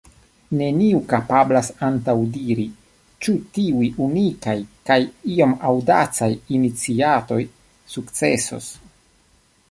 Neniu kapablas antaŭdiri, ĉu tiuj unikaj kaj iom aŭdacaj iniciatoj sukcesos.